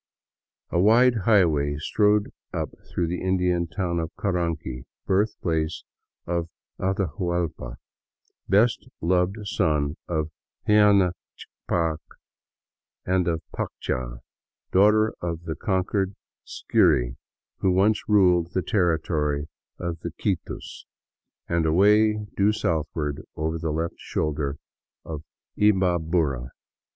A wide highway strode up through the Indian town of Caranqui, birthplace of Atahuallpa, best loved son of Huayna Ccapac and of Paccha, daughter of the conquered Scyri who once ruled the territory of the Quitus, and away due south ward over the left shoulder of Imbabura.